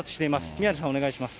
宮根さんお願いします。